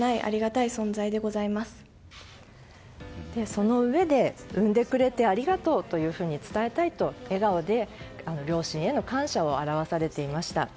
そのうえで、生んでくれてありがとうと伝えたいと笑顔で両親への感謝を表されていました。